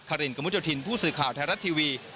คารินกระมุนเจ้าถิ่นผู้สื่อข่าวไทยรัฐทีวี